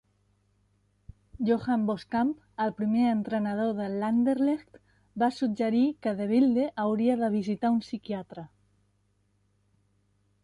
Johan Boskamp, el primer entrenador de l'Anderlecht, va suggerir que De Bilde hauria de visitar un psiquiatre.